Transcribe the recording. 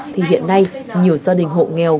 thì hiện nay nhiều gia đình hộ nghèo